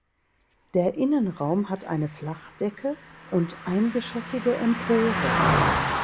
Der Innenraum hat eine Flachdecke und eingeschossige Emporen.